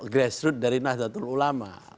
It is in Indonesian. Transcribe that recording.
grassroots dari nahdlatul ulama